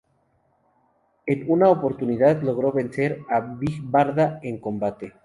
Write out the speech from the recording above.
En una oportunidad logro vencer a Big Barda en combate.